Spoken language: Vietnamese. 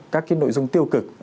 các cái nội dung tiêu cực